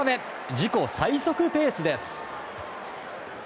自己最速ペースです。